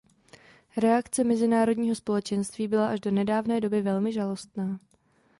Reakce mezinárodního společenství byla až do nedávné doby velmi žalostná.